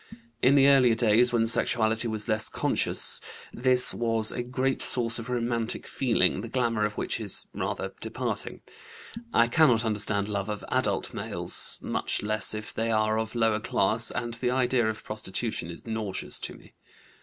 In the earlier days, when sexuality was less conscious, this was a great source of romantic feeling, the glamour of which is rather departing. I cannot understand love of adult males, much less if they are of lower class, and the idea of prostitution is nauseous to me.